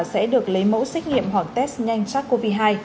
sẽ được lấy mẫu xét nghiệm hoặc test nhanh sars cov hai